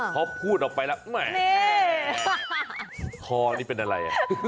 พอพูดออกไปแล้วแม่คอนี่เป็นอะไร